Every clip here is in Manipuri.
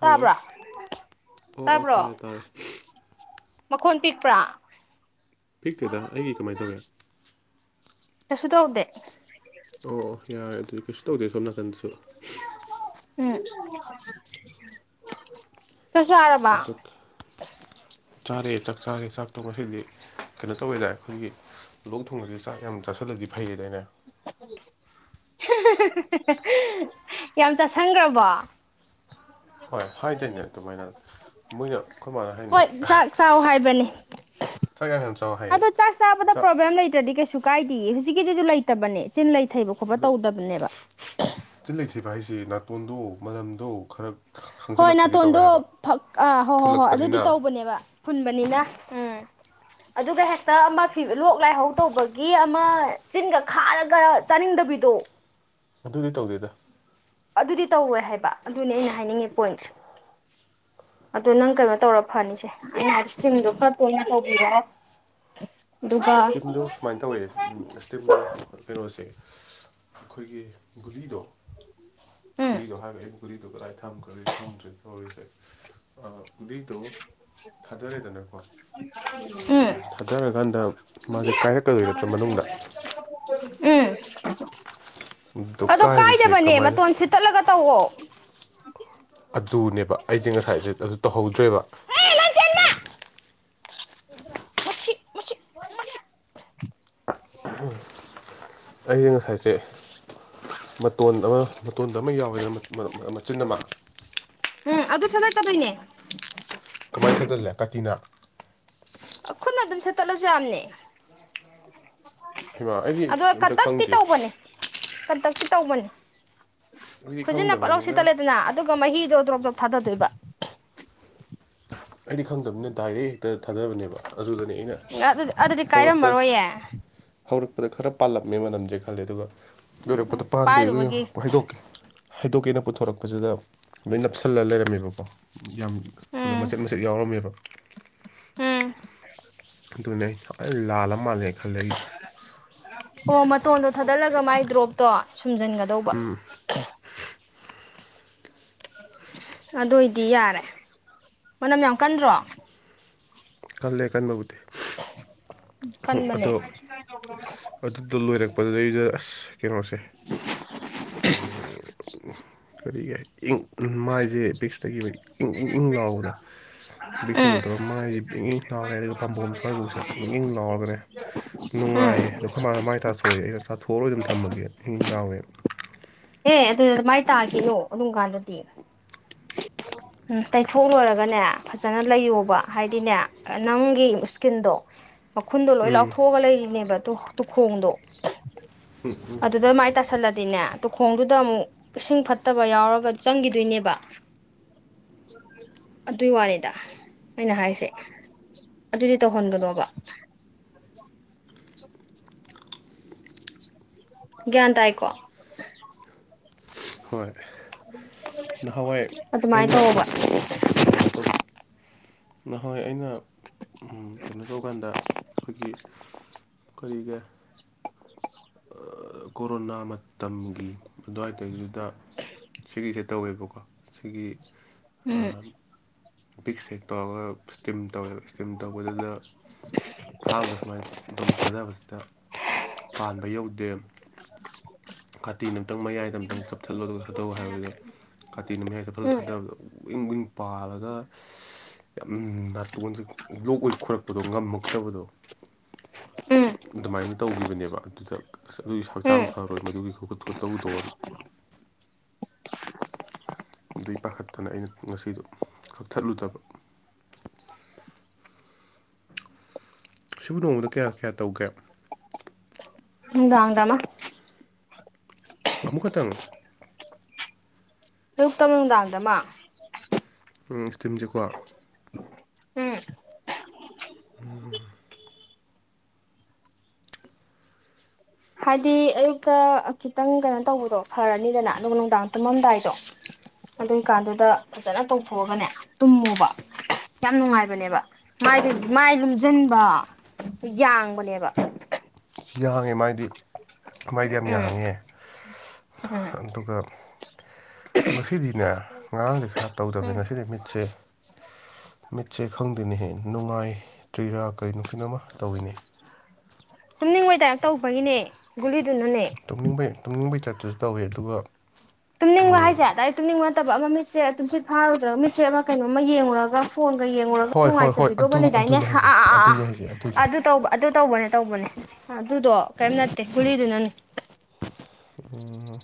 ꯍꯜꯂꯣ ꯇꯥꯕ꯭ꯔꯥ ꯑꯣ ꯑꯣ ꯇꯥꯔꯦ ꯇꯥꯕ꯭ꯔꯣ ꯇꯥꯔꯦ ꯃꯈꯣꯟ ꯄꯤꯛꯄ꯭ꯔꯥ ꯄꯤꯛꯇꯦꯗ ꯑꯩꯒꯤ ꯀꯃꯥꯏꯅ ꯇꯧꯒꯦ ꯀꯩꯁꯨ ꯇꯧꯗꯦ ꯑꯣ ꯑꯣ ꯌꯥꯔꯦ ꯑꯗꯨꯗꯤ ꯀꯩꯁꯨ ꯇꯧꯗꯦ ꯁꯣꯝ ꯅꯥꯀꯟꯗꯁꯨ ꯎꯝ ꯆꯥꯛ ꯆꯥꯔꯕ ꯠꯇꯛ [unintelligible] ꯆꯥꯔꯦ ꯆꯥꯛ ꯆꯥꯔꯦ ꯆꯥꯛꯇꯣ ꯃꯁꯤꯗꯤ ꯀꯩꯅꯣ ꯇꯧꯕꯋꯦꯗ ꯑꯩꯈꯣꯏꯒꯤ ꯂꯣꯛ ꯊꯨꯡꯕꯕꯁꯤꯦ ꯆꯥꯛ ꯌꯥꯝ ꯆꯥꯥꯁꯜꯂꯗꯤ ꯐꯩꯌꯦꯗꯩꯅ [unintelligible] ꯌꯥꯝ ꯆꯥꯁꯤꯟꯈ꯭ꯔꯕꯣ ꯍꯣꯏ ꯍꯥꯏꯗꯣꯏꯅꯦ ꯑꯗꯨꯃꯥꯏꯅ ꯃꯣꯏꯅ ꯑꯩꯈꯔꯃꯅ ꯍꯥꯏꯅꯤ ꯍꯣꯏ ꯆꯥꯛ ꯆꯥꯎ ꯍꯥꯏꯕꯅꯤ ꯊꯣꯏ ꯌꯥꯝ ꯆ ꯆꯥꯎꯋꯦ ꯑꯗꯣ ꯆꯥꯛ ꯆꯥꯕꯗ ꯄ꯭ꯔꯣꯕ꯭ꯂꯦꯝ ꯂꯩꯇ꯭ꯔꯗꯤ ꯀꯩꯁꯨ ꯀꯥꯏꯗꯤꯌꯦ ꯍꯧꯖꯤꯛꯀꯤꯗꯨꯁꯨ ꯂꯩꯇꯕꯅꯦ ꯆꯤꯟ ꯂꯩ ꯊꯩꯕ ꯈꯣꯠꯄ ꯇꯧꯗꯕꯅꯦꯕ ꯆꯤꯜ ꯂꯩ ꯊꯩꯕ ꯍꯥꯏꯁꯤ ꯅꯥꯇꯣꯟꯗꯣ ꯃꯅꯝꯗꯣ ꯈꯔ ꯍꯣꯏ ꯈꯪꯖꯤꯜꯂꯛꯇꯒꯤ ꯇꯧꯋꯦ ꯅꯥꯇꯣꯟꯗꯣ ꯍꯥꯏꯕ ꯑꯥ ꯍꯣꯏ ꯍꯣ ꯍꯣꯏ ꯑꯗꯨꯗꯤ ꯐꯨꯜꯂꯛꯄꯅꯤꯅ ꯇꯧꯕꯅꯦꯕ ꯐꯨꯟꯕꯅꯤꯅ ꯎꯝ ꯑꯗꯨꯒ ꯍꯦꯛꯇ ꯑꯃꯤ ꯂꯣꯛ ꯂꯥꯏꯍꯧ ꯇꯧꯕꯒꯤ ꯑꯃ ꯆꯤꯟꯒ ꯈꯥꯔꯒ ꯆꯥꯅꯤꯡꯗꯕꯤꯗꯣ ꯑꯗꯨꯗꯤ ꯇꯧꯗꯦꯗ ꯑꯗꯨꯗꯤ ꯇꯧꯋꯦ ꯍꯥꯏꯕ ꯑꯗꯨꯅꯤ ꯑꯩꯅ ꯍꯥꯏꯅꯤꯡꯉꯦ ꯄꯣꯏꯟꯁꯦ ꯑꯗꯣ ꯅꯪ ꯀꯩꯅꯣ ꯇꯧꯔ ꯐꯅꯤꯁꯦ ꯑꯦ ꯍꯥꯏ ꯏꯁꯇꯤꯝꯗꯣ ꯈꯔ ꯇꯣꯏꯅ ꯇꯧꯕꯤꯔ ꯏꯁꯇꯤꯝꯗꯣ ꯁꯨꯃꯥꯏꯅ ꯇꯧꯋꯦ ꯏꯁꯇꯤꯝꯗꯣ ꯀꯩꯅꯣꯁꯦ ꯑꯩꯈꯣꯏꯒꯤ ꯒꯨꯂꯤꯗꯣ ꯎꯝ ꯈꯨꯔꯤꯗꯣ ꯍꯥꯏꯈ꯭ꯔ ꯑꯩ ꯈꯨꯔꯤꯗꯣ ꯀꯗꯥꯏ ꯊꯝꯈꯔꯤ ꯊꯝꯗ꯭ꯔꯤ ꯇꯧꯔꯤꯁꯦ ꯕꯤꯛꯇꯣ ꯊꯥꯗꯣꯔꯦꯗꯅꯀꯣ ꯎꯝ ꯊꯥꯗꯔꯀꯥꯟꯗ ꯃꯥꯁꯦ ꯀꯥꯏꯔꯛꯀꯗꯣꯏ ꯅꯠꯇ꯭ꯔꯥ ꯃꯅꯨꯡꯗ ꯎꯝ ꯑꯗꯣ ꯀꯥꯏꯕꯁꯦ ꯀꯥꯏꯗꯕꯅꯦ ꯀꯃꯥꯏꯅ ꯃꯇꯣꯟ ꯁꯤꯠꯇꯠꯂꯒ ꯇꯧꯋꯣ ꯑꯗꯨꯅꯦꯕ ꯑꯩꯁꯦ ꯉꯁꯥꯏꯁꯦ ꯑꯗꯨ ꯇꯧꯍꯧꯗ꯭ꯔꯦꯕ ꯍꯦ ꯁꯤ ꯑꯩꯒꯤ ꯉꯁꯥꯏꯁꯦ ꯃꯇꯣꯟ ꯑꯃ ꯃꯇꯣꯟꯗ ꯑꯃ ꯌꯥꯎꯋꯦꯗꯅ ꯃꯆꯤꯟ ꯑꯃ ꯎꯝ ꯑꯗꯨꯁꯨ ꯆꯠꯥꯏ ꯇꯗꯣꯏꯅꯦ ꯀꯃꯥꯏꯅ ꯊꯗꯜꯂꯦ ꯀꯥꯇꯤꯅꯥ ꯈꯨꯠꯅ ꯑꯗꯨꯝ ꯁꯦꯠꯇꯠꯂꯁꯨ ꯌꯥꯝꯅꯤ ꯑ ꯑꯣ ꯀꯟꯇꯛꯇꯤ ꯈꯪꯗꯦ ꯇꯧꯕꯅꯤ ꯀꯟꯇꯛꯇꯤ ꯇꯧꯕꯅꯤ ꯑꯩꯗꯤ ꯈꯨꯖꯤꯟꯅ ꯄꯣꯠꯂꯧ ꯈꯪꯗꯕꯅꯤꯅ ꯁꯤꯠꯇꯠꯂꯦꯗꯅ ꯑꯗꯨꯒ ꯃꯍꯤꯗꯣ ꯗ꯭ꯔꯣꯞ ꯗ꯭ꯔꯣꯞ ꯊꯥꯗꯗꯣꯏꯕ ꯑꯩꯗꯤ ꯈꯪꯗꯕꯅꯤꯅ ꯗꯥꯏꯔꯦꯛ ꯍꯦꯛꯇ ꯊꯥꯗꯕꯅꯦꯕ ꯑꯗꯨꯗꯅꯤ ꯑꯩꯅ ꯑꯗꯨꯗꯤ ꯑꯗꯨꯗꯤ ꯍꯧꯔꯛꯄ ꯀꯥꯏꯔꯝꯃꯔꯣꯏꯌꯦ ꯍꯧꯔꯛꯄꯗ ꯈꯔ ꯄꯥꯜꯂꯝꯃꯦ ꯃꯅꯝꯁꯦ ꯈꯜꯂꯦ ꯑꯗꯨꯒ ꯌꯣꯏꯔꯛꯄꯗꯣ ꯄꯥꯟꯗꯦ ꯑꯗꯨꯒ ꯄꯥꯏꯔꯨꯕꯒꯤ ꯌꯧꯔꯛꯄ ꯍꯥꯏꯩꯗꯣꯛꯀꯦ ꯍꯥꯏꯩꯗꯣꯛꯀꯦꯅ ꯄꯨꯊꯣꯔꯛꯄꯁꯤꯗ ꯂꯣꯏ ꯅꯞꯁꯤꯜꯂꯒ ꯂꯩꯔꯝꯃꯦꯕꯀꯣ ꯌꯥꯝ ꯎꯝ ꯄꯔꯝꯕ ꯎꯝ ꯑꯗꯨꯅꯦ ꯑꯩ ꯂꯥꯜ ꯃꯥꯜꯂꯦ ꯈꯜꯂꯏꯁꯦ ꯑꯣ ꯃꯇꯣꯟꯗꯣ ꯊꯥꯗꯠꯂꯒ ꯃꯥꯏ ꯗ꯭ꯔꯣꯞꯇꯣ ꯁꯨꯝꯖꯤꯟꯒꯗꯧꯕ ꯑꯗꯨ ꯑꯣꯏꯗꯤ ꯌꯥꯔꯦ ꯃꯅꯝ ꯌꯥꯝ ꯀꯟꯗ꯭ꯔꯣ ꯀꯜꯂ ꯂꯩꯦ ꯀꯥꯟꯅꯕꯒꯨꯦ ꯀꯟꯃꯅꯦ ꯑꯗꯨꯗ ꯂꯣꯏꯔꯛꯄꯗꯨꯗꯩꯗ ꯑꯁ ꯀꯩꯅꯣꯁꯦ ꯀꯔꯤꯒ ꯏꯪ ꯃꯥꯏꯁꯦ ꯕꯤꯛꯁꯇꯒꯤ ꯏꯪ ꯏꯪ ꯏꯪ ꯂꯥꯎꯕꯗꯣ ꯕꯤꯁ ꯎꯝ ꯅꯠꯇ꯭ꯔꯣ ꯃꯥꯏ ꯏꯪ ꯏꯪ ꯂꯥꯎꯔꯦ ꯑꯗꯨꯒ ꯄꯥꯝꯕꯣꯝ ꯁ꯭ꯋꯥꯏꯐꯥꯎꯁꯦ ꯏꯪ ꯏꯪ ꯂꯥꯎꯔꯒꯅꯦ ꯎꯝ ꯅꯨꯡꯉꯥꯏꯌꯦ ꯑꯣ ꯀꯔꯃꯅ ꯃꯥꯏ ꯇꯥꯁꯨ ꯊꯣꯛꯑꯦ ꯑꯩꯩꯅ ꯆꯥꯊꯣꯛꯑꯣꯏ ꯑꯗꯨꯝ ꯊꯝꯃꯒꯦ ꯏꯍꯤꯡ ꯂꯥꯎꯋꯦ ꯑꯦꯦ ꯑꯗꯨꯗ ꯑꯗꯨꯃꯥꯏꯅ ꯇꯥꯈꯤꯅꯣ ꯑꯗꯨꯝ ꯀꯥꯟꯗꯗꯤ ꯇꯩꯊꯣꯛ ꯂꯣꯏꯔꯒꯅꯦ ꯐꯖꯅ ꯂꯩꯌꯣꯕ ꯍꯥꯏꯗꯤꯅꯦ ꯅꯪꯒꯤ ꯏꯁꯀꯤꯟꯗꯣ ꯃꯈꯨꯟꯗꯣ ꯂꯣꯏ ꯂꯥꯎꯊꯣꯛꯑꯒ ꯂꯩꯔꯤꯅꯦꯕ ꯇꯨꯈꯣꯡꯗꯣ ꯑꯗꯨꯗ ꯃꯥꯏ ꯇꯥꯁꯜꯂꯗꯤꯅꯦ ꯇꯨꯈꯣꯡꯗꯨꯗ ꯑꯃꯨꯛ ꯏꯁꯤꯡ ꯐꯠꯇꯕ ꯌꯥꯎꯔꯒ ꯆꯪꯈꯤꯗꯣꯏꯅꯦꯕ ꯑꯗꯨꯏ ꯋꯥꯦꯗ ꯑꯩꯅ ꯍꯥꯏꯔꯤꯁꯦ ꯑꯗꯨꯗꯤ ꯇꯧꯍꯟꯒꯅꯣꯕ ꯒ꯭ꯌꯥꯟ ꯇꯥꯏꯀꯣ ꯍꯣꯏ ꯅꯍꯥꯟꯋꯥꯏ ꯑꯗꯨꯃꯥꯏꯅ ꯑꯩꯅ ꯇꯧꯕ ꯀꯩꯅꯣ ꯇꯧꯕ ꯅꯍꯣꯏ ꯑꯩꯅ ꯀꯩꯅꯣ ꯇꯧꯀꯥꯟꯗ ꯑꯩꯈꯣꯏꯒꯤ ꯈꯔꯤꯒꯦ [inaudible] ꯀꯣꯔꯣꯅꯥ ꯃꯇꯝꯒꯤ ꯑꯗꯨꯋꯥꯏ ꯇꯗꯨꯗ ꯁꯤꯒꯤꯁꯦ ꯇꯧꯋꯦꯕꯀꯣ ꯁꯤꯒꯤ ꯑ ꯎꯝ ꯁ ꯇ ꯏꯁꯇꯤꯝ ꯇꯧꯋꯦꯕ ꯏꯁꯇꯤꯝ ꯇꯧꯕꯗꯨꯗ ꯑꯍꯥꯟꯕꯗ ꯁꯨꯃꯥꯏꯅ ꯑꯗꯨꯝ ꯊꯥꯗꯕꯁꯤꯗ ꯄꯥꯟꯕ ꯌꯧꯗꯦ ꯈꯥꯇꯤ ꯑꯃꯨꯛꯇꯪ ꯃꯌꯥꯏꯗ ꯑꯃꯨꯛꯇꯪ ꯆꯞꯊꯠꯂꯣ ꯊꯥꯠꯇꯧ ꯍꯥꯏꯕꯗ ꯀꯥꯇꯤ ꯅꯨꯃꯤꯌꯥꯗ ꯐꯂ ꯎꯝ ꯊꯥꯗꯕꯗ ꯎꯋꯤꯡ ꯎꯋꯤꯡ ꯄꯥꯜꯂꯒ ꯌꯥꯝ ꯅꯥꯇꯣꯟꯁꯦ ꯂꯣꯛ ꯑꯣꯏ ꯈꯣꯏꯔꯛꯄꯗꯣ ꯉꯝꯃꯛꯇꯕꯗꯣ ꯎꯝ ꯑꯗꯨꯃꯥꯏꯅ ꯇꯧꯈꯤꯕꯅꯦꯕ ꯑꯗꯨꯗ ꯑꯁ ꯑꯗꯨꯒꯤ ꯍꯛꯆꯥꯡ ꯎꯝ ꯐꯔꯣꯏ ꯃꯗꯨꯒꯤ ꯈꯣꯄꯠ ꯈꯣꯠꯇꯕꯨꯗꯣꯟ ꯑꯗꯨꯗꯩ ꯄꯥꯈꯠꯇꯅ ꯑꯩꯅ ꯉꯁꯤꯗꯣ ꯀꯛꯊꯠꯂꯨꯗꯕ ꯁꯤꯕꯨ ꯅꯣꯡꯃꯗ ꯀꯌꯥ ꯀꯌꯥ ꯇꯧꯒꯦ ꯎꯗꯥꯎꯥꯡꯗꯃ ꯑꯃꯨꯛ ꯈꯛꯇꯪ ꯑꯌꯨꯛꯇ ꯅꯨꯡꯗꯥꯡꯗ ꯃꯥ ꯏꯁꯇꯤꯝꯁꯦꯀꯣ ꯎꯝ ꯎꯕꯤ ꯍꯥꯏꯗꯤ ꯑꯌꯨꯛꯇ ꯈꯤꯇꯪ ꯀꯩꯅꯣ ꯇꯧꯕꯗꯣ ꯐꯔꯅꯤꯗꯅ ꯑꯗꯨꯒ ꯅꯨꯡꯗꯥꯡ ꯇꯨꯝꯃꯝꯗꯥꯏꯗꯣ ꯑꯗꯨꯏꯀꯥꯟꯗꯨꯗ ꯐꯖꯅ ꯇꯧꯊꯣꯛꯑꯒꯅꯦ ꯇꯨꯝꯃꯨꯕ ꯌꯥꯝ ꯅꯨꯡꯉꯥꯏꯕꯅꯦꯕ ꯃꯥꯏꯗꯨ ꯃꯥꯏ ꯂꯨꯝꯁꯤꯟꯕ ꯌꯥꯡꯕꯅꯦꯕ ꯁꯤ ꯌꯥ ꯍꯥꯡꯉꯤ ꯃꯥꯗꯤ ꯃꯥꯏꯗꯤ ꯌꯥꯝ ꯎꯝ ꯌꯥꯡꯉꯦ ꯎꯝ ꯑꯗꯨꯒ ꯉꯁꯤꯗꯤꯅꯦ ꯉꯔꯥꯡꯗꯤ ꯈꯔ ꯇꯧꯗꯕꯅꯤ ꯎꯝ ꯉꯁꯤꯗꯤ ꯃꯤꯠꯁꯦ ꯃꯤꯠꯁꯦ ꯈꯪꯗꯦꯅꯦꯍꯦ ꯅꯨꯡꯉꯥꯏꯇ꯭ꯔꯤꯔꯥ ꯀꯩꯅꯣ ꯀꯩꯅꯣꯃ ꯇꯧꯏꯤꯅꯦ ꯇꯨꯝꯅꯤꯡꯉꯇꯥꯔ ꯇꯧꯕꯒꯤꯅꯦ ꯒꯨꯂꯤꯗꯨꯅꯅꯦ ꯇꯨꯝꯅꯤꯡꯕꯩ ꯇꯨꯝꯅꯤꯡꯕꯩꯇꯠꯇꯨꯁꯨ ꯇꯧꯋꯤ ꯑꯗꯨꯒ ꯇꯨꯝꯅꯤꯡꯕ ꯍꯥꯏꯁꯦ ꯑꯗꯥꯏ ꯇꯨꯝꯅꯤꯡꯕ ꯅꯠꯇꯕ ꯑꯃ ꯃꯤꯠꯁꯦ ꯇꯨꯝꯆꯠ ꯐꯥꯔꯨꯗ꯭ꯔꯒ ꯃꯤꯠꯁꯦꯠ ꯑꯃ ꯀꯩꯅꯣ ꯑꯃ ꯌꯦꯡꯉꯨꯔꯒ ꯐꯣꯟꯒ ꯌꯦꯡꯉꯨꯔꯒ ꯍꯣꯏ ꯍꯣꯏ ꯍꯣꯏ ꯅꯨꯡꯉꯥꯏꯇꯕꯤꯗꯧꯕ ꯑꯗꯨꯝ ꯂꯩꯗꯥꯏꯅꯦ ꯑꯗꯨꯅꯦ ꯍꯥꯏꯁꯦ ꯑꯥ ꯑꯥ ꯑꯥ ꯑꯗꯨꯅꯦ ꯍꯥꯏꯁꯦ ꯑꯗꯨꯗꯣ ꯑꯗꯨ ꯇꯧꯕ ꯑꯗꯨ ꯇꯧꯕꯅꯦ ꯇꯧꯕꯅꯦ ꯑꯗꯨꯗꯣ ꯀꯔꯤꯝ ꯅꯠꯇꯦ ꯒꯨꯂꯤꯗꯨꯅꯅꯦ ꯎ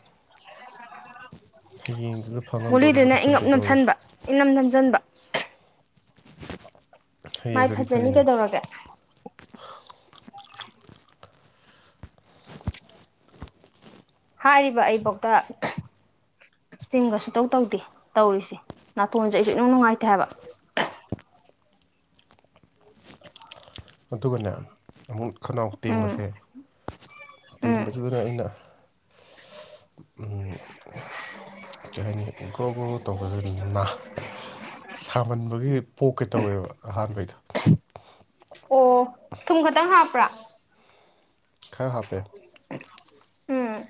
ꯍꯌꯦꯡꯁꯤꯗ ꯐꯪꯉꯝꯗꯣꯔꯤꯕꯗꯨꯣ ꯈꯪꯗꯦ ꯇꯧꯔꯤꯁꯦ ꯏꯅꯝꯊꯟꯖꯟꯕ ꯃꯥꯏ ꯍꯌꯦꯡꯗꯗꯤ ꯐꯖꯅꯤ ꯐꯅꯤꯡꯉꯤ ꯀꯩꯗꯧꯔꯒꯦ ꯍꯥꯏꯔꯤꯕ ꯑꯩꯕꯧꯇ ꯏꯁꯇꯤꯝꯒ ꯁꯨꯡꯇꯧ ꯇꯧꯗꯦ ꯇꯧꯔꯤꯁꯦ ꯅꯥꯇꯣꯟꯁꯦ ꯑꯩꯁꯨ ꯏꯅꯨꯡ ꯅꯨꯡꯉꯥꯏꯇꯦ ꯍꯥꯏꯕ ꯑꯗꯨꯒꯅꯦ ꯑꯃꯨꯛ ꯈꯅꯥꯎ ꯎꯝ ꯇꯦꯡꯕꯁꯦ ꯎꯝ ꯇꯦꯡꯕꯁꯤꯗꯅꯦ ꯑꯩꯅ ꯀꯩ ꯍꯥꯏꯅꯤ ꯒ꯭ꯔꯣ ꯒ꯭ꯔꯣ ꯇꯧꯕꯁꯤ ꯅꯥ ꯁꯥꯃꯟꯕꯒꯤ ꯄꯣꯛꯀꯦ ꯇꯧꯋꯦꯕ ꯑꯍꯥꯟꯕꯩꯗꯣ ꯑꯣ ꯊꯨꯝ ꯈꯛꯇꯪ ꯍꯥꯞꯄ꯭ꯔꯥ ꯈꯔ ꯍꯥꯞꯄꯦ ꯎꯝ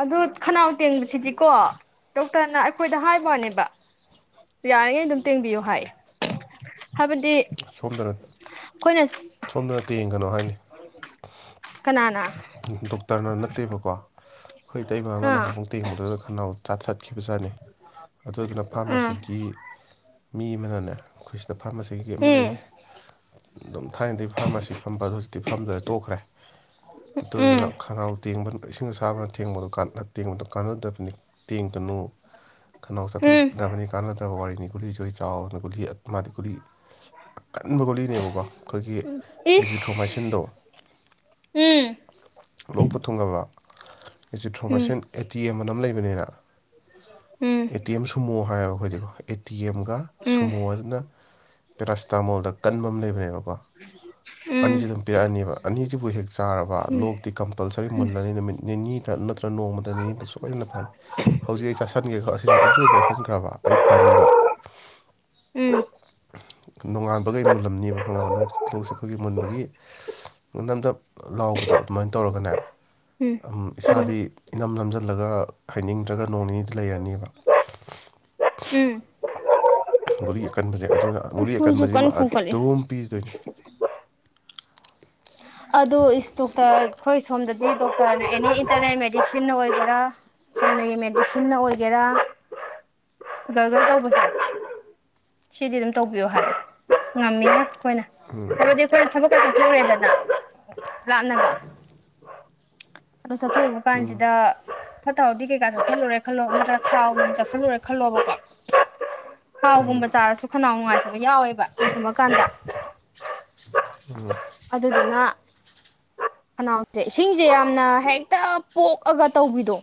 ꯑꯗꯨꯗ ꯈꯅꯥꯎ ꯇꯦꯡꯕꯁꯤꯗꯤꯀꯣ ꯗꯣꯛꯇꯔꯅ ꯑꯩꯈꯣꯏꯗ ꯍꯥꯏꯕꯅꯦꯕ ꯌꯥꯔꯤꯉꯩ ꯑꯗꯨꯝ ꯇꯦꯡꯕꯤꯌꯨ ꯍꯥꯏ ꯍꯥꯏꯕꯗꯤ ꯁꯣꯝꯗꯅ ꯑꯩꯈꯣꯏꯅ ꯁꯣꯝꯗꯅ ꯇꯦꯡꯒꯅꯣ ꯍꯥꯏꯅꯤ ꯀꯅꯥꯅ ꯇꯔꯅꯔ ꯅꯠꯇꯦꯕꯀꯣ ꯑꯩꯈꯣꯏ ꯏꯇꯩꯃ ꯑꯃꯅ ꯑꯥ ꯍꯥꯃꯨꯛ ꯇꯦꯡꯉꯨꯗꯗ ꯈꯟꯅ ꯇꯥꯊꯠꯈꯤꯕꯖꯥꯠꯅꯤ ꯑꯗꯨꯗꯨꯅ ꯑꯥ ꯐꯥꯔꯃꯥꯁꯤꯒꯤ ꯃꯤ ꯑꯃꯅꯅꯦ ꯑꯩꯈꯣꯏꯁꯤꯗ ꯐꯥꯔꯃꯥꯁꯤ ꯀꯞ ꯑꯃ ꯎꯝ ꯂꯩꯌꯦ ꯑꯗꯨꯝ ꯊꯥꯏꯅꯗꯒꯤ ꯐꯥꯔꯃꯥꯁꯤ ꯐꯝꯕꯗꯣ ꯍꯧꯖꯤꯛꯇꯤ ꯐꯝꯗ꯭ꯔꯦ ꯇꯣꯛꯈ꯭ꯔꯦ ꯑꯗꯨꯗꯨꯅ ꯎꯝ ꯈꯅꯥꯎ ꯇꯦꯡꯕꯅ ꯏꯁꯤꯡ ꯑꯁꯥꯕꯅ ꯊꯦꯡꯕꯗ ꯇꯦꯡꯕꯗ ꯀꯥꯟꯅꯗꯕꯅꯤ ꯇꯦꯡꯀꯅꯨ ꯈꯅꯥꯎ ꯎꯝ ꯆꯠꯊꯣꯛꯂꯛꯅꯕꯅꯤ ꯀꯥꯟꯅ ꯇꯕ ꯋꯥꯔꯤꯅꯤ ꯒꯨꯂꯤ ꯑꫭꯏ ꯆꯥꯎꯑꫭꯅ ꯒꯨꯂꯤ ꯑ ꯃꯥꯗꯤꯀꯒꯨꯂꯤ ꯑꯀꯟꯕꯒꯨꯂꯤꯅꯦꯕꯀꯣ ꯑꯩꯈꯣꯏꯒꯤ ꯏꯁ ꯑꯦꯖꯤꯊ꯭ꯔꯣꯃꯥꯏꯁꯤꯟꯗꯣ ꯎꯝ ꯂꯣꯛꯄꯨ ꯊꯨꯡꯉꯅꯕ ꯎꯝ ꯑꯁꯤꯇꯔꫭꯃꯥꯏꯁꯤꯟ ꯑꯦ ꯇꯤ ꯑꯃꯅ ꯑꯃ ꯂꯩꯕꯅꯤꯅ ꯎꯝ ꯁꯨꯃꯣ ꯍꯥꯏꯌꯦꯕ ꯑꯩꯈꯣꯏꯗꯤꯀꯣ ꯑꯦ ꯇꯤ ꯑꯝꯒ ꯎꯝ ꯁꯨꯃꯣ ꯑꯗꯨꯅ ꯄꯦꯔꯥꯁꯤꯇꯥꯃꯣꯜꯗ ꯀꯟꯕ ꯑꯃ ꯂꯩꯕꯅꯦꯕꯀꯣ ꯑꯅꯤꯁꯤꯗꯨꯝ ꯄꯤꯔꯛꯑꯅꯦꯕ ꯑꯅꯤꯁꯤꯕꯨ ꯍꯦꯛ ꯆꯥꯔꯕ ꯂꯣꯛꯇꯤ ꯀꯝ ꯄꯜꯁꯔꯤ ꯃꯨꯜꯂꯅꯤ ꯅꯨꯃꯤꯠ ꯅꯤꯅꯤꯗ ꯅꯠꯇꯒ ꯅꯣꯡꯃꯗ ꯅꯤꯅꯤꯗ ꯁꫭꯏꯗꯅ ꯐꯅꯤ ꯍꯧꯖꯤꯛ ꯑꯩ ꯆꯥꯥꯁꯟꯒꯦ ꯑꯗꯨ ꯑꯩ ꯆꯥꯁꯤꯟꯈ꯭ꯔꯕ ꯑꯩ ꯐꯅꯤꯕ ꯎꯝ ꯎꯝ ꯅꯣꯡꯉꯥꯟꯕꯉ ꯃꯨꯜꯂꯝꯅꯦꯕ ꯈꯪꯉꯕ ꯂꫭꯛꯁꯦ ꯑꯩꯈꯣꯏꯒꯤ ꯃꯨꯟꯕꯒꯤ ꯅꯞ ꯅꯞ ꯂꯥꯎꯕꯗꯣ ꯑꯗꯨꯃꯥꯏꯅ ꯇꯧꯔꯒꯅꯦ ꯎꯝ ꯏꯁꯥꯗꯤ ꯏꯅꯝ ꯅꯝꯖꯜꯂꯒ ꯍꯥꯏꯅꯤꯡꯗ꯭ꯔꯒ ꯅꯣꯡ ꯅꯤꯗꯤ ꯂꯩꯔꯅꯦꯕ ꯎꯝ ꯒꯨꯂꯤ ꯑꯀꯟꯕꯁꯦ ꯑꯗꯨꯅ ꯒꯨꯂꯤ ꯁꯨꯏꯁꯨ ꯑꯀꯟꯕꯁꯤꯃ ꯀꯟꯅ ꯈꯣꯡꯀꯠꯂꯤ ꯑꯗꯨꯝ ꯄꯤꯗꯣꯏꯅꯦ [inaudible] ꯑꯗꯨ ꯏꯁꯇꯣꯛꯇ ꯑꯩꯈꯣꯏ ꯁꯣꯝꯗꯗꯤ ꯗꫭꯛꯇ ꯑꯦꯅꯤ ꯏꯟꯇꯔ ꯃꯦꯗꯤꯁꯤꯟꯅ ꯑꯣꯏꯒꯦꯔꯥ ꯆꯨꯝꯅꯒꯤ ꯃꯦꯗꯤꯁꯤꯟꯅ ꯑꯣꯏꯒꯦꯔꯥ ꯒꯔꯒꯜ ꯇꯧꯕꯁꯦ ꯁꯤꯗꯤ ꯑꯗꯨꯝ ꯇꯧꯕꯤꯌꯣ ꯍꯥꯏꯌꯦ ꯉꯝꯃꯤꯒꯩ ꯑꯩꯈꯣꯏꯅ ꯍꯥꯏꯕꯗꯤ ꯑꯩꯈꯣꯏꯅ ꯊꯕꯛꯀ ꯆꯠꯊꫭꯛꯎꯔꯦꯗꯅ ꯂꯥꯞꯅ ꯑꯗꯣ ꯆꯠꯊꯣꯛꯎꯕ ꯀꯥꯟꯁꯤꯗ ꯐꯠꯇ ꯍꯥꯎꯗꯤ ꯀꯩꯀꯥ ꯆꯥꯁꯤꯜꯂꯨꯔꯦ ꯈꯜꯂꯣ ꯅꯠꯇ꯭ꯔ ꯊ꯭ꯔꯥꯎꯛ ꯆꯠꯁꯤꯜꯂꯨꯔꯦ ꯈꯜꯂꯣꯕꯀꯣ ꯊꯥꯎꯒꯨꯝꯕ ꯆꯥꯔꯁꯨ ꯈꯅꯥꯎ ꯅꯨꯡꯉꯥꯏꯇꯕ ꯌꯥꯎꯋꯦꯕ ꯀꯩꯒꯨꯝꯕ ꯀꯥꯟꯗ ꯎꯝ ꯑꯗꯨꯗꯨꯅ ꯈꯅꯥꯎꯖꯦ ꯏꯁꯤꯡꯖꯦ ꯌꯥꯝꯅ ꯍꯦꯛꯇ ꯄꯣꯛꯑꯒ ꯇꯧꯕꯤꯗꯣ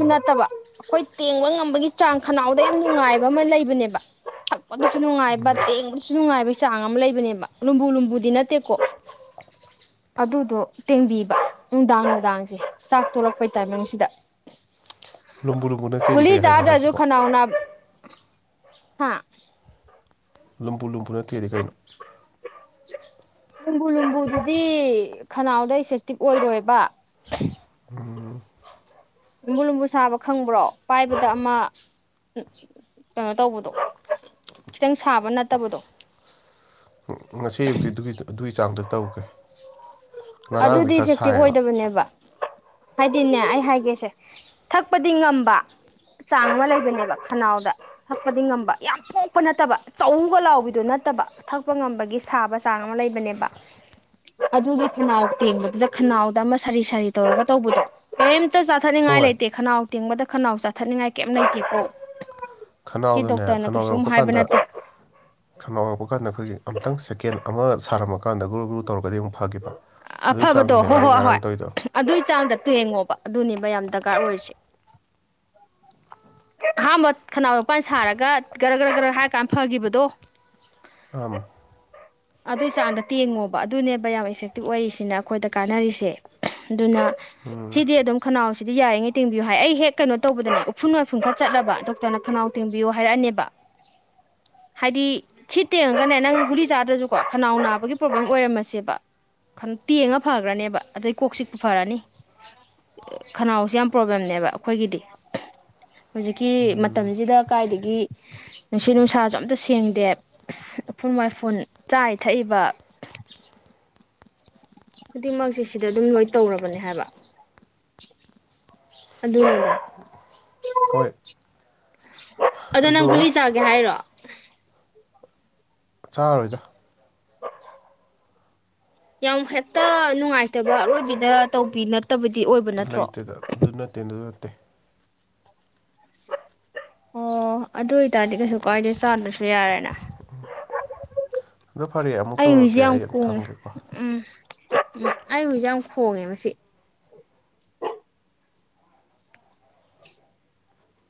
ꯑ ꯅꯠꯇꯕ ꯑꯩꯈꯣꯏ ꯇꯦꯡꯕ ꯉꯝꯕꯒꯤ ꯆꯥꯡ ꯈꯅꯥꯎꯗ ꯌꯥꯝ ꯅꯨꯡꯉꯥꯏꯕ ꯑꯃ ꯂꯩꯕꯅꯦꯕ ꯊꯛꯄꯗꯁꯨ ꯅꯨꯡꯉꯥꯏꯕ ꯇꯦꯡꯕꯁꯨ ꯁꯨ ꯅꯨꯡꯉꯥꯏꯕꯒꯤ ꯆꯥꯡ ꯑꯃ ꯂꯩꯕꯅꯦꯕ ꯂꯨꯝꯕꯨ ꯂꯨꯝꯕꯨꯗꯤ ꯅꯠꯇꯦꯀꯣ ꯑꯗꯨꯗꯣ ꯇꯦꯡꯕꯤꯕ ꯅꯨꯡꯗꯥꯡ ꯅꯨꯡꯗꯥꯡꯖꯦ ꯆꯥꯛ ꯇꫭꯛꯂꯛꯄꯩ ꯇꯥꯏꯃꯤꯡꯁꯤꯗ ꯂꯨꯝꯕꯨ ꯂꯨꯝꯕꯨ ꯅꯠꯇꯦꯗꯤ ꯀꯩ ꯒꯨꯂꯤꯖ ꯍꯥꯏꯅꯣ ꯆꯥꯗ꯭ꯔꯖꯨ ꯍꯥꯏꯁꯤꯕꯣ ꯈꯅꯥꯎꯅꯥ ꯍꯥ ꯂꯝꯕꯨ ꯂꯨꯝꯕꯨ ꯅꯠꯇꯦꯗꯤ ꯀꯩꯅꯣ ꯅꯨꯝꯕꯨ ꯂꯨꯝꯕꯨꯗꯨꯗꯤ ꯈꯅꯥꯎꯗ ꯏꯐꯦꯛꯇꯤꯞ ꯑꯣꯏꯔꯣꯏꯕ ꯎꯝ ꯂꯨꯝꯕꯨ ꯂꯨꯝꯕꯨ ꯁꯥꯕ ꯈꯪꯕ꯭ꯔꯣ ꯄꯥꯏꯕꯗ ꯑꯃ ꯀꯩꯅꯣ ꯇꯧꯕꯗꯣ ꯈꯤꯇꯪ ꯁꯥꯕ ꯅꯠꯇꯕꯗꯣ ꯎ ꯉꯁꯤ ꯑꯌꯨꯛꯇꯤ ꯑꯗꯨꯒꯤ ꯑꯗꯨꯒꯤ ꯆꯥꯡꯗ ꯇꯧꯒꯦ ꯑꯗꯨꯗꯤ ꯏꯐꯦꯛꯇꯤꯚ ꯑꯣꯏꯗꯕꯅꯦꯕ ꯍꯥꯏꯗꯤꯅꯦ ꯑꯩ ꯍꯥꯏꯒꯦꯁꯦ ꯊꯛꯄꯗꯤ ꯉꯝꯕ ꯆꯥꯡ ꯑꯃ ꯂꯩꯕꯅꯦꯕ ꯈꯅꯥꯎꯗ ꯊꯛꯄꯗꯤ ꯉꯝꯕ ꯌꯥꯝ ꯄꯣꯛꯄ ꯅꯠꯇꯕ ꯆꯧꯒ ꯂꯥꯎꯕꯤꯗꯨ ꯅꯠꯇꯕ ꯊꯛꯄ ꯉꯝꯕꯒꯤ ꯁꯥꯕ ꯕꯆꯥꯡ ꯑꯃꯂꯩꯕꯅꯦꯕ ꯑꯗꯨꯒꯤ ꯈꯅꯥꯎ ꯇꯦꯡꯕꯗꯨꯗ ꯈꯅꯥꯎꯗ ꯑꯃ ꯁꯥꯔꯤ ꯁꯥꯔꯤ ꯇꯧꯔꯒ ꯇꯧꯕꯗꯣ ꯀꯔꯤꯝꯇ ꯆꯥꯊꯠꯅꯤꯡꯉꯥꯏ ꯍꯣꯏ ꯂꯩꯇꯦ ꯈꯅꯥꯎ ꯇꯦꯡꯕꯗ ꯈꯅꯥꯎ ꯆꯥꯊꯠꯅꯤꯡꯉꯥꯏ ꯀꯩꯝ ꯂꯩꯇꯦꯀꯣ ꯁꯤ ꯈꯅꯥꯎꯗꯅꯦ ꯗꯣꯛꯇꯔꯅ ꯈꯅꯥꯎ ꯀꯩꯁꯨꯝ ꯌꯧꯔꯛꯄ ꯍꯥꯏꯕ ꯀꯥꯟꯗ ꯅꯠꯇꯦ ꯈꯅꯥꯎ ꯑꯣꯏꯕꯀꯥꯟꯗ ꯑꯩꯈꯣꯏꯒꯤ ꯑꯃꯨꯛꯇꯪ ꯁꯦꯀꯦꯟ ꯑꯃ ꯁꯥꯔꯝꯃꯀꯥꯟꯗ ꯒ꯭ꯔꯨ ꯒ꯭ꯔꯨ ꯇꯧꯔꯒꯗꯤ ꯑꯃꯨꯛ ꯐꯒꯤꯕ ꯑꯗꯨꯏ ꯆꯥꯡꯗꯅꯦꯕ ꯑꯩ ꯉꯔꯥꯡ ꯇꯧꯏꯗꯣ ꯑꯗꯨꯏꯒꯤ ꯆꯥꯡꯗ ꯇꯦꯡꯉꯣꯕ ꯑꯗꯨꯅꯤꯕ ꯌꯥꯝ ꯗꯔꯀꯥꯔ ꯑꯣꯏꯔꯤꯁꯦ ꯑꯍꯥꯟꯕ ꯈꯅꯥꯎ ꯃꯄꯥꯟ ꯁꯥꯔꯒ ꯒ꯭ꯔ ꯒ꯭ꯔ ꯒ꯭ꯔ ꯍꯥꯏꯔ ꯀꯥꯟ ꯐꯒꯤꯈꯤꯕꯗꯣ ꯑꯝ ꯑꯗꯨꯏ ꯆꯥꯡꯗ ꯇꯦꯡꯉꯣꯕ ꯑꯗꯨꯅꯦꯕ ꯌꯥꯝ ꯏꯐꯦꯛꯇꯤꯞ ꯑꯣꯏꯔꯤꯁꯤꯅ ꯑꯩꯈꯣꯏꯗ ꯀꯥꯟꯅꯔꯤꯁꯦ ꯑꯗꯨꯅ ꯁꯤꯗꯤ ꯑꯗꯨꯝ ꯈꯅꯥꯎꯁꯤꯗꯤ ꯌꯥꯔꯤꯉꯩ ꯇꯦꯡꯕꯤꯌꯨ ꯍꯥꯏ ꯑꯩ ꯍꯦꯛ ꯀꯩꯅꯣ ꯇꯧꯕꯗꯅ ꯎꯐꯨꯟ ꯋꯥꯏꯐꯨꯟꯈꯛ ꯆꯠꯂꯕ ꯗꯣꯛꯇꯔꯅ ꯈꯅꯥꯎ ꯇꯦꯡꯕꯤꯌꯨ ꯍꯥꯏꯔꯛꯑꯅꯦꯕ ꯍꯥꯏꯗꯤ ꯁꯤ ꯇꯦꯡꯉꯒꯅꯦ ꯅꯪ ꯒꯨꯔꯤ ꯆꯥꯗ꯭ꯔꯁꯨ ꯀꯣ ꯈꯅꯥꯎ ꯅꯥꯕꯒꯤ ꯄ꯭ꯔꯣꯕ꯭ꯂꯦꯝ ꯑꯣꯏꯔꯝꯃꯁꯦꯕ ꯇꯦꯡꯉ ꯐꯈ꯭ꯔꯅꯦꯕ ꯑꯗꯩ ꯀꯣꯛ ꯆꯤꯛꯄ ꯐꯔꯅꯤ ꯈꯅꯥꯎꯁꯦ ꯌꯥꯝ ꯄ꯭ꯔꯣꯕ꯭ꯂꯦꯝꯅꯦꯕ ꯑꯩꯈꯣꯏꯒꯤꯗꯤ ꯍꯧꯖꯤꯛꯀꯤ ꯃꯇꯝꯁꯤꯗ ꯀꯥꯏꯗꯒꯤ ꯅꯨꯡꯁꯤꯠ ꯅꯨꯡꯁꯥꯁꯨ ꯑꯝꯇ ꯁꯦꯡꯗꯦ ꯎꯐꯨꯜ ꯋꯥꯏꯐꯨꯜ ꯆꯥꯔꯤ ꯊꯛꯏꯕ ꯈꯨꯗꯤꯡꯃꯛꯁꯦ ꯁꯤꯗ ꯑꯗꯨꯝ ꯂꯣꯏ ꯇꯧꯔꯕꯅꯦ ꯍꯥꯏꯕ ꯑꯗꯨ ꯍꯣꯏ ꯑꯗꯣ ꯅꯪ ꯒꯨꯂꯤ ꯆꯥꯒꯦ ꯍꯥꯏꯔꯣ ꯆꯥꯔꯔꯣꯏꯗ ꯌꯥꯝ ꯍꯦꯛꯇ ꯅꯨꯡꯉꯥꯏꯇꯕ ꯑꯔꯣꯏꯕꯤꯗ ꯇꯧꯕꯤ ꯅꯠ ꯇꯕꯗꯤ ꯑꯣꯏ ꯂꯩꯇꯦꯗ ꯑꯗꯨ ꯅꯠꯇꯦ ꯑꯗꯨ ꯅꯠꯇꯦ ꯑꯣ ꯑꯗꯨ ꯑꯣꯏꯇꯥꯔꯗꯤ ꯀꯩꯁꯨ ꯀꯥꯏꯗꯦ ꯆꯥꯟꯗꯁꯨ ꯌꯥꯔꯦꯅ ꯑꯗꯣ ꯐꯔꯦ ꯑꯃꯨꯛ ꯍꯨꯏꯁꯦ ꯇꯧꯔꯛꯀꯦ ꯌꯥꯝ ꯑꯩ ꯑꯃꯝ ꯈꯣꯡꯉꯦ ꯊꯝꯒꯦꯀꯣ ꯎꯝ ꯎꯝ ꯑꯩ ꯍꯧꯁꯛ ꯌꯥꯝ ꯈꯣꯡꯉꯦ ꯃꯁꯤ ꯑ